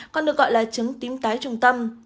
còn được gọi là trứng tím tái trung tâm